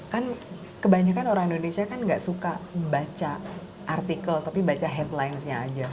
kan kebanyakan orang indonesia kan gak suka baca artikel tapi baca headlinesnya aja